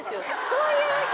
そういう日？